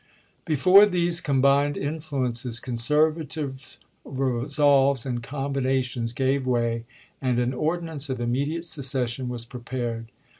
Before these combined influences conservative resolves and combinations gave way, and an ordi nance of immediate secession was prepared.